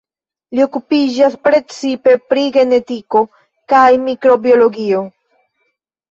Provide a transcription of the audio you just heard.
Li okupiĝas precipe pri genetiko kaj mikrobiologio.